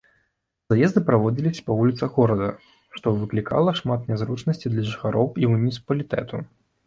Заезды праводзіліся па вуліцах горада, што выклікала шмат нязручнасцей для жыхароў і муніцыпалітэту.